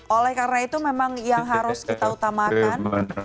oleh karena itu memang yang harus kita utamakan